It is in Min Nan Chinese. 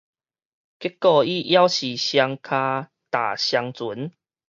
結果伊猶是雙跤踏雙船